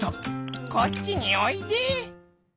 「こっちにおいで」。